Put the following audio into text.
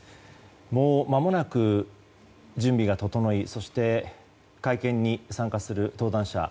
もうまもなく準備が整い会見に参加する登壇者